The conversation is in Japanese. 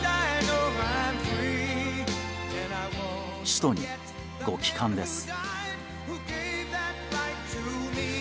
首都にご帰還です。